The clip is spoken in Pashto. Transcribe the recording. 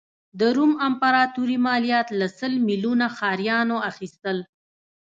د روم امپراتوري مالیات له سل میلیونه ښاریانو اخیستل.